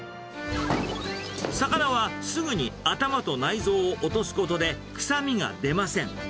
魚はすぐに頭と内臓を落とすことで、臭みが出ません。